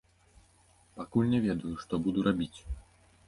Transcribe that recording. Пакуль не ведаю, што буду рабіць.